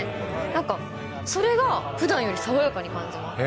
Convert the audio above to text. なんか、それがふだんより爽やかに感じます。